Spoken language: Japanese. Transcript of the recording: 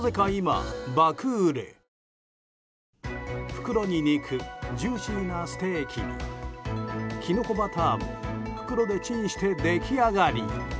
袋に肉ジューシーなステーキにキノコバターも袋でチンして出来上がり。